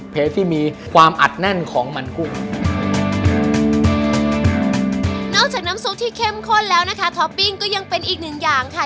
ไฟเข้มข้นแล้วนะคะทอปปิ้งก็ยังเป็นอีกหนึ่งอย่างค่ะ